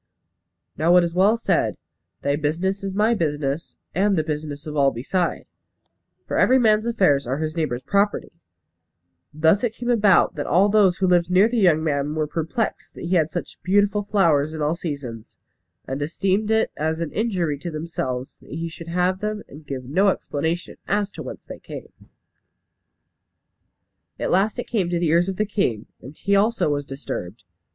Now it is well said, "Thy business is my business, and the business of all beside;" for every man's affairs are his neighbours' property. Thus it came about that all those who lived near the young man were perplexed that he had such beautiful flowers in all seasons; and esteemed it as an injury to themselves that he should have them and give no explanation as to whence they came. At last it came to the ears of the king, and he also was disturbed.